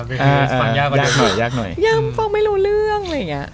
ฟังยากหน่อยยังฟังไม่รู้เรื่อง